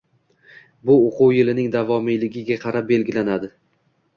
Bu o‘quv yilining davomiyligiga qarab belgilanadi;